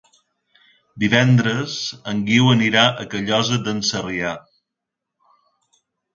Divendres en Guiu anirà a Callosa d'en Sarrià.